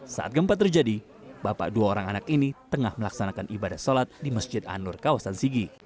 saat gempa terjadi bapak dua orang anak ini tengah melaksanakan ibadah sholat di masjid anur kawasan sigi